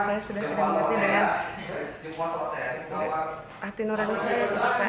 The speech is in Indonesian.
saya sudah tidak mengerti dengan hati nurani saya